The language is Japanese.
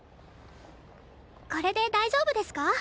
これで大丈夫ですか？